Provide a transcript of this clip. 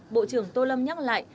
bộ trưởng tô lâm nhắc lại